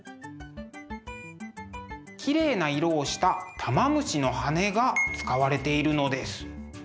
きれいな色をした玉虫の羽が使われているのです。